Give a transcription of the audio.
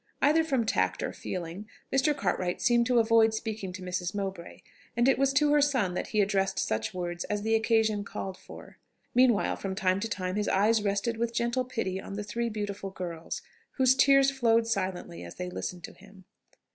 Either from tact or feeling, Mr. Cartwright seemed to avoid speaking to Mrs. Mowbray, and it was to her son that he addressed such words as the occasion called for. Meanwhile, from time to time his eyes rested with gentle pity on the three beautiful girls, whose tears flowed silently as they listened to him.